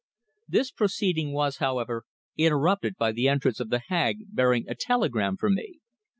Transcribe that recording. This proceeding was, however, interrupted by the entrance of the Hag bearing a telegram for me.